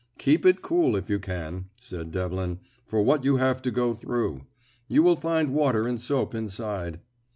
"Keep it cool if you can," said Devlin, "for what you have to go through. You will find water and soap inside."